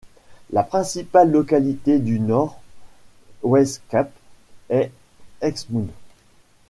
La principale localité du North West Cape est Exmouth.